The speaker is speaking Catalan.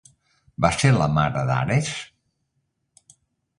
Va ser la mare d'Ares?